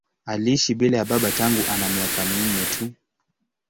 Aliishi bila ya baba tangu ana miaka minne tu.